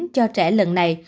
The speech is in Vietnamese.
cho trẻ lần này